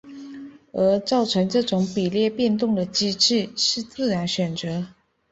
而造成这种比例变动的机制是自然选择。